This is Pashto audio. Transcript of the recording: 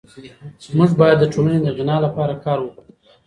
موږ بايد د ټولني د غنا لپاره کار وکړو.